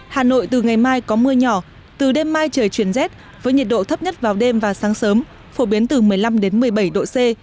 hà nội từ ngày mai có mưa nhỏ từ đêm mai trời chuyển rét với nhiệt độ thấp nhất vào đêm và sáng sớm phổ biến từ một mươi năm một mươi bảy độ c